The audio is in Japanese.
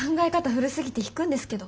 古すぎて引くんですけど。